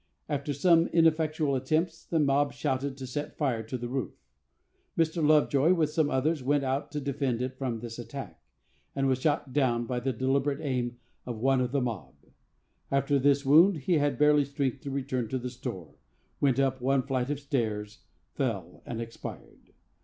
After some ineffectual attempts, the mob shouted to set fire to the roof. Mr. Lovejoy, with some others, went out to defend it from this attack, and was shot down by the deliberate aim of one of the mob. After this wound he had barely strength to return to the store, went up one flight of stairs, fell and expired.